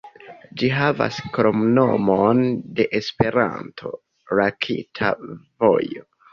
Ĝi havas kromnomon de Esperanto, "Lakta vojo".